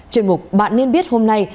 trên mục bạn nên biết hôm nay